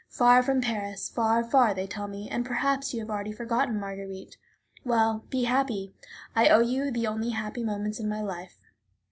Far from Paris, far, far, they tell me, and perhaps you have already forgotten Marguerite. Well, be happy; I owe you the only happy moments in my life.